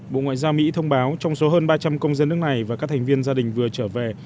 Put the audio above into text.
bộ ngoại giao mỹ thông báo trong số hơn ba trăm linh công dân nước này và các thành viên gia đình vừa trở về